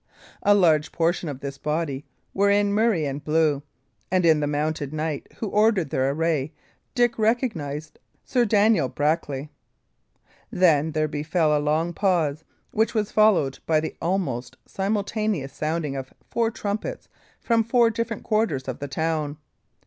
A large portion of this body were in murrey and blue, and in the mounted knight who ordered their array Dick recognised Sir Daniel Brackley. Then there befell a long pause, which was followed by the almost simultaneous sounding of four trumpets from four different quarters of the town.